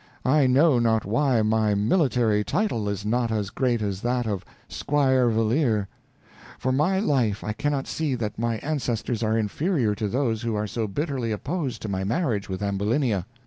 I know not why my military title is not as great as that of Squire Valeer. For my life I cannot see that my ancestors are inferior to those who are so bitterly opposed to my marriage with Ambulinia.